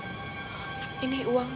everyone u medida tidak bersaing